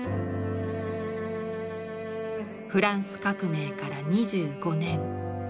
フランス革命から２５年。